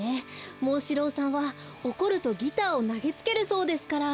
モンシローさんはおこるとギターをなげつけるそうですから。